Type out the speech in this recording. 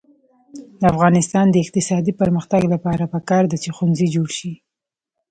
د افغانستان د اقتصادي پرمختګ لپاره پکار ده چې ښوونځي جوړ شي.